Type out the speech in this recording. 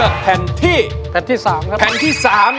ขอบคุณครับ